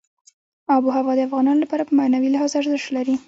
آب وهوا د افغانانو لپاره په معنوي لحاظ ارزښت لري.